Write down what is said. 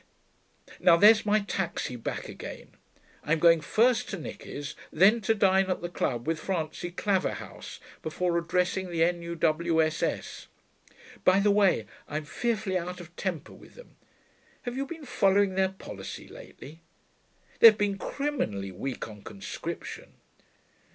Now there's my taxi back again. I'm going first to Nicky's, then to dine at the Club with Francie Claverhouse, before addressing the N.U.W.S.S. By the way, I'm fearfully out of temper with them have you been following their policy lately? They've been criminally weak on Conscription....